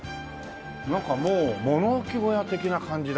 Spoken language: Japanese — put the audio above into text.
なんかもう物置小屋的な感じだね。